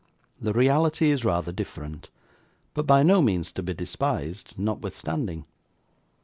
The reality is rather different, but by no means to be despised notwithstanding.